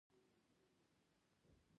لهجې ډېري نوري خوباياني لري.